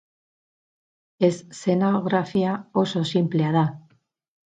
Eszenografia oso sinplea da.